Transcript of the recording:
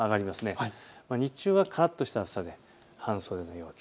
日中はからっとした暑さで半袖の陽気。